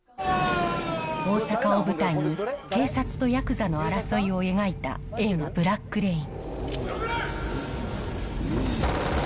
大阪を舞台に、警察とヤクザの争いを描いた映画、ブラックレイン。